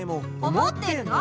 思ってるの？